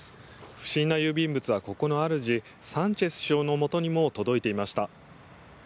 不審な郵便物はここの主サンチェス首相のもとにも届いていました。